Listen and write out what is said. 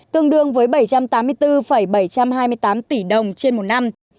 tương đương với bảy trăm tám mươi bốn bảy trăm hai mươi tám tỷ đồng trên một năm